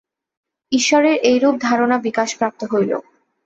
ঈশ্বরের এইরূপ ধারণা বিকাশপ্রাপ্ত হইল।